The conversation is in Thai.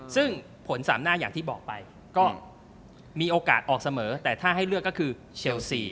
ซึ่งผลสามหน้าอย่างที่บอกไปก็มีโอกาสออกเสมอแต่ถ้าให้เลือกก็คือเชลซี